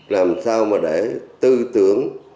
làm sao mà để tư tưởng